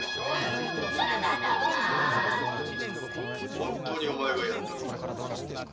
本当にお前がやったのか？